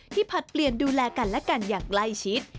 ผลัดเปลี่ยนดูแลกันและกันอย่างใกล้ชิด